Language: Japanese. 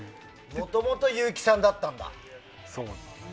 もともとゆうきさんだったんだ。